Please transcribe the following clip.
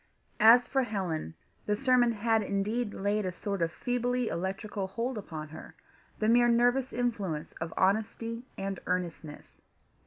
As for Helen, the sermon had indeed laid a sort of feebly electrical hold upon her, the mere nervous influence of honesty and earnestness.